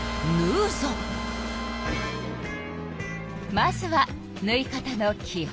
まずはぬい方のき本。